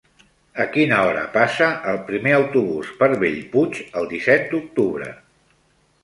A quina hora passa el primer autobús per Bellpuig el disset d'octubre?